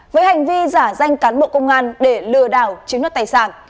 với hành vi giả danh cán bộ công an để lừa đảo chiếm đoạt tài sản